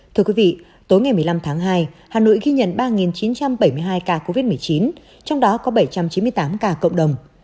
thưa quý vị tối ngày một mươi năm tháng hai hà nội ghi nhận ba chín trăm bảy mươi hai ca covid một mươi chín trong đó có bảy trăm chín mươi tám ca cộng đồng